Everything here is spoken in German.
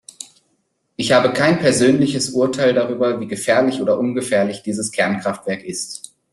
Ich habe kein persönliches Urteil darüber, wie gefährlich oder ungefährlich dieses Kernkraftwerk ist.